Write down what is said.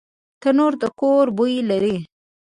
تنور د کور بوی لري